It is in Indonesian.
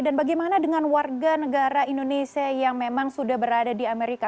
dan bagaimana dengan warga negara indonesia yang memang sudah berada di amerika